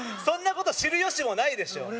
そんなこと知るよしもないでしょ